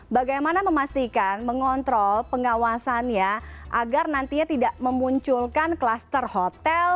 bagaimana memastikan mengontrol pengawasannya agar nantinya tidak memunculkan kluster hotel